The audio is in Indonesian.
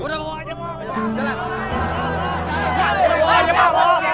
udah bawa aja pak